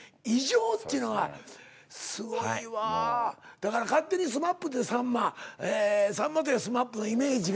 だから勝手にＳＭＡＰといえばさんまさんまといえばＳＭＡＰのイメージが。